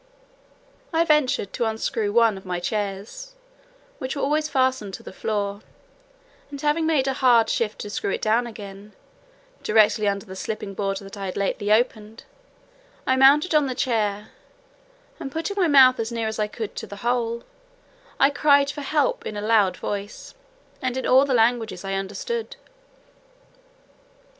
I ventured to unscrew one of my chairs, which were always fastened to the floor; and having made a hard shift to screw it down again, directly under the slipping board that I had lately opened, I mounted on the chair, and putting my mouth as near as I could to the hole, I called for help in a loud voice, and in all the languages I understood.